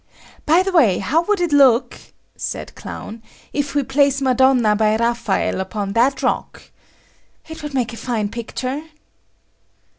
"By the way, how would it look," said Clown, "if we place Madonna by Raphael upon that rock? It would make a fine picture."